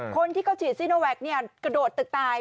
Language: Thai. คนที่เขาฉีดซีโนแวคกระโดดตึกตาย